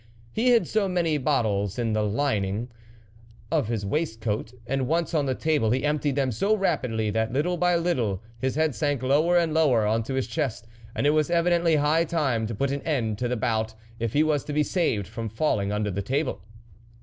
He hid so many bottles in the lining of his waistcoat, and once on the table, he emptied them so rapidly, that little by little his head sank lower and lower on to his chest, and it was evidently high time to put an end to the bout, if he was to be saved from falling under the table.